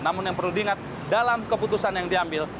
namun yang perlu diingat dalam keputusan yang diambil